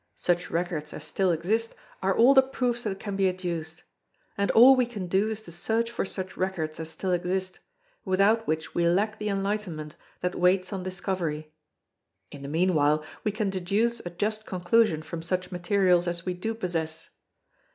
Such records as still exist are all the proofs that can be adduced; and all we can do is to search for such records as still exist, without which we lack the enlightenment that waits on discovery. In the meanwhile we can deduce a just conclusion from such materials as we do possess.